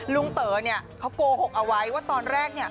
เต๋อเนี่ยเขาโกหกเอาไว้ว่าตอนแรกเนี่ย